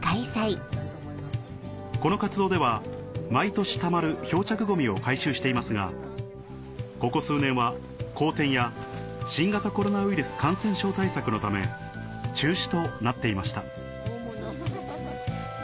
この活動では毎年たまる漂着ゴミを回収していますがここ数年は荒天や新型コロナウイルス感染症対策のため中止となっていました